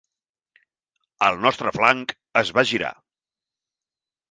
El nostre flanc es va girar.